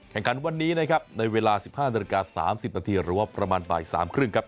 แข่งขันวันนี้นะครับในเวลา๑๕นาฬิกา๓๐นาทีหรือว่าประมาณบ่าย๓๓๐ครับ